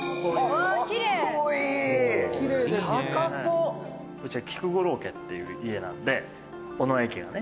「うちは、菊五郎家っていう家なんで、尾上家がね」